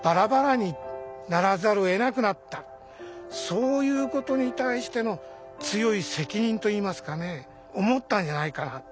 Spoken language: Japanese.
そういうことに対しての強い責任といいますかね思ったんじゃないかな。